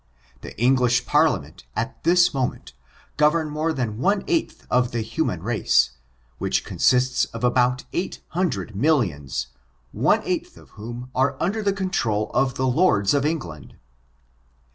The English parliament, at this moment, govern more than one eighth of the human race, which consists of about eight hundred millions, one eighth of whom are under the control of the lords of England.